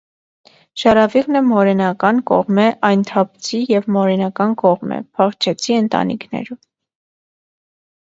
Շառաւիղն եմ հօրենական կողմէ այնթապցի եւ մօրենական կողմէ՝ պախչէցի ընտանիքներու։